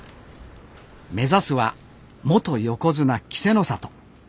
目指すは元横綱・稀勢の里。